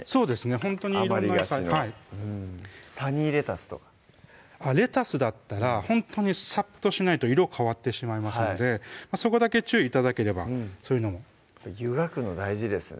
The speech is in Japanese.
ほんとに色んな野菜あまりがちのサニーレタスとかレタスだったらほんとにさっとしないと色変わってしまいますのでそこだけ注意頂ければそういうのも湯がくの大事ですね